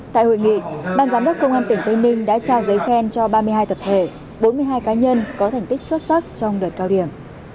tại hội nghị ban giám đốc công an tỉnh tây ninh đã trao giấy khen cho ba mươi hai tập thể bốn mươi hai cá nhân có thành tích xuất sắc trong đợt cao điểm